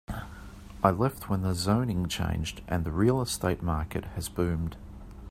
I left when the zoning changed and the real estate market has boomed.